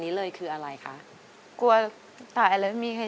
นี้เป็นรายการทั่วไปสามารถรับชมได้ทุกวัย